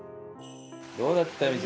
どうだった？